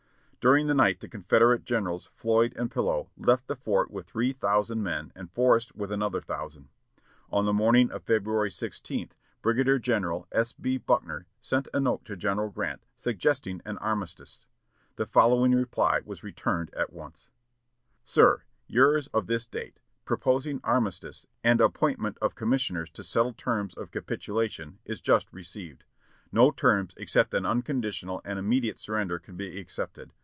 During the night the Confederate Generals Floyd and Pillow left the fort with three thousand men and Forrest with another thousand. On the morning of February 16, Brigadier General S. B. Buckner sent a note to General Grant, suggesting an armistice. The following reply was returned at once: "Sir, Yours of this date, proposing armistice and appointment of commissioners to settle terms of capitulation, is just received. No terms except an unconditional and immediate surrender can be accepted.